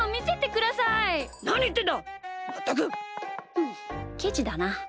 ふんケチだな。